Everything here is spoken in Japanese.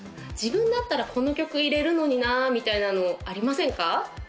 自分だったらこの曲入れるのになみたいなのありませんか？